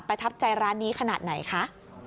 ทับใจร้านนี้ขนาดไหนคะ